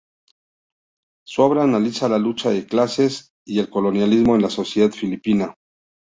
Su obra analiza la lucha de clases y el colonialismo en la sociedad filipina.